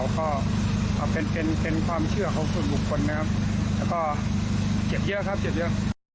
ก็เป็นความเชื่อของส่วนบุคคลนะครับแล้วก็เจ็บเยอะครับเจ็บเยอะ